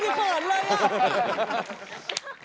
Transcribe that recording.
อย่าไปแซวสิหมุนละคร้า